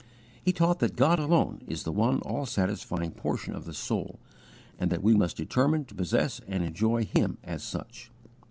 He taught that God alone is the one all satisfying portion of the soul, and that we must determine to possess and enjoy Him as such.